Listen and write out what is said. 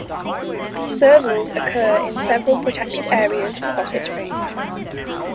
Servals occur in several protected areas across its range.